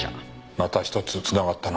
また１つ繋がったな。